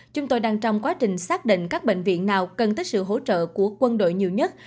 chúng tôi đang trong quá trình xác định các bệnh viện nào cần tới sự hỗ trợ của quân đội nhiều nhất